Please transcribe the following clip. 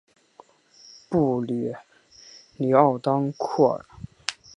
布吕尼沃当库尔。